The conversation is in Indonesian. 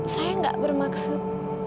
saya gak bermaksud